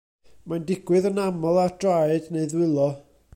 Mae'n digwydd yn aml ar draed neu ddwylo.